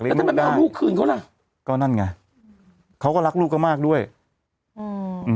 แล้วทำไมไม่เอาลูกคืนเขาล่ะก็นั่นไงเขาก็รักลูกก็มากด้วยอืม